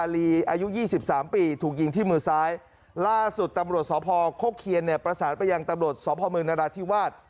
ล่าสุดตำรวจสภโฆเคียนประสานประยังตำรวจสภมนราธิวาส